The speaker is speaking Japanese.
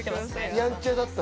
やんちゃだった？